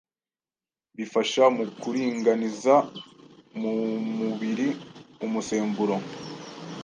bifasha mu kuringaniza mu mubiri umusemburo